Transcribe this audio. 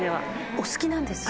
お好きなんですか？